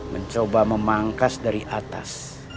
mencoba memangkas dari atas